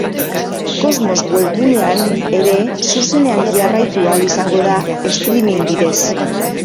Kosmos webgunean ere zuzenean jarraitu ahal izango da streaming bidez.